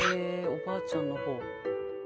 おばあちゃんの方。